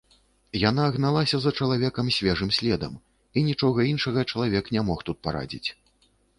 Яна гналася за чалавекам свежым следам, і нічога іншага чалавек не мог тут парадзіць.